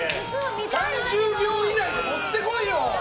３０秒以内で持って来いよ！